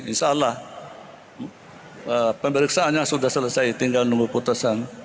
insya allah pemeriksaannya sudah selesai tinggal nunggu putusan